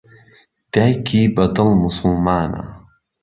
دایکی بەدڵ موسوڵمانە.